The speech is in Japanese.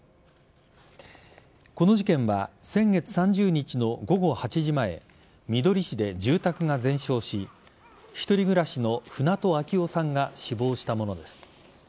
この事件は先月３０日の午後８時前みどり市で住宅が全焼し一人暮らしの船戸秋雄さんが死亡したものです。